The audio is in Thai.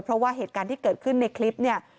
เพราะว่าเหตุการณ์ที่เกิดขึ้นในคลิปเนี่ย